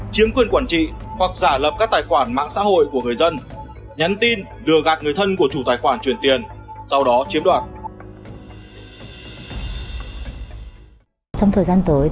chiếm quyền quản trị hoặc giả lập các tài khoản mạng xã hội của người dân